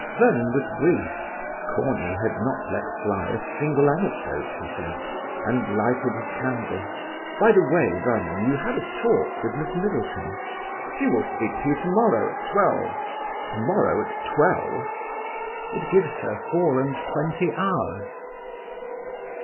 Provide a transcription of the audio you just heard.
Vernon was brief, Corney had not let fly a single anecdote, he said, and lighted his candle. "By the way, Vernon, you had a talk with Miss Middleton?" "She will speak to you to morrow at twelve." "To morrow at twelve?" "It gives her four and twenty hours."